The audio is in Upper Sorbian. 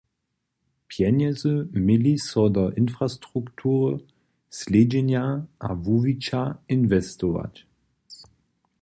Pjenjezy měli so do infrastruktury, slědźenja a wuwića inwestować.